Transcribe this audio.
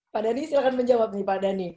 pak dhani silahkan menjawab nih pak dhani